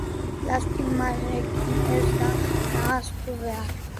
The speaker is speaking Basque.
Lastimarekin ez da nahastu behar.